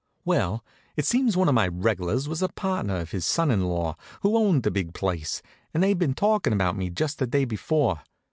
Well, it seems one of my reg'lars was a partner of his son in law, who owned the big place, and they'd been talkin' about me just the day before.